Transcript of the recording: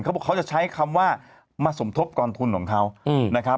เขาบอกว่าเขาจะใช้คำว่ามาสมทบกรรทุนของเขา